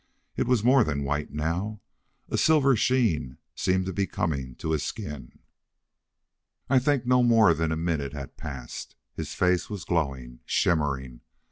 It was more than white now! A silver sheen seemed to be coming to his skin! I think no more than a minute had passed. His face was glowing, shimmering.